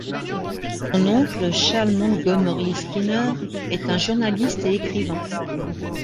Son oncle, Charles Montgomery Skinner, est un journaliste et écrivain.